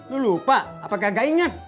lu lupa apakah gak ingat